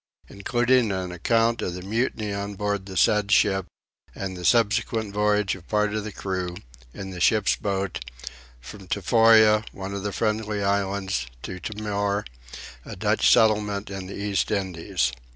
INCLUDING AN ACCOUNT OF THE MUTINY ON BOARD THE SAID SHIP, AND THE SUBSEQUENT VOYAGE OF PART OF THE CREW, IN THE SHIP'S BOAT, FROM TOFOA, ONE OF THE FRIENDLY ISLANDS, TO TIMOR, A DUTCH SETTLEMENT IN THE EAST INDIES.